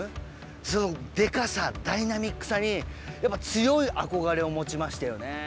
そのデカさダイナミックさにやっぱ強い憧れを持ちましたよね。